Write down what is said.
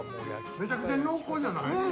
めちゃくちゃ濃厚じゃない？